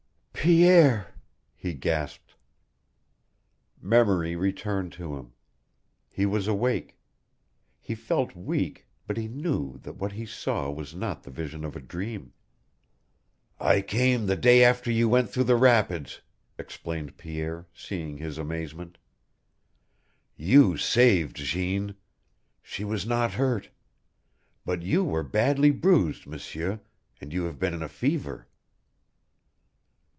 "Pierre!" he gasped. Memory returned to him. He was awake. He felt weak, but he knew that what he saw was not the vision of a dream. "I came the day after you went through the rapids," explained Pierre, seeing his amazement. "You saved Jeanne. She was not hurt. But you were badly bruised, M'sieur, and you have been in a fever."